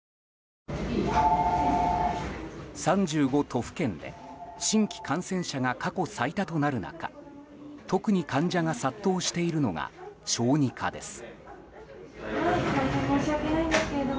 ３５都府県で新規感染者が過去最多となる中特に患者が殺到しているのが小児科です。